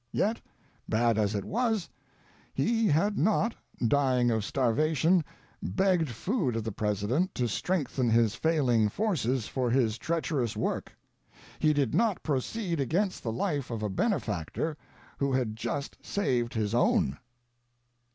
Yet, bad as he was, he had not — dying of starvation — begged food of the President to strengthen his failing forces for his treacher ous work ; he did not proceed against the life of a benefactor who had just saved his own.